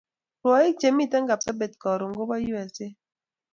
Rwaik che miten Kapsabet karun ko ba usa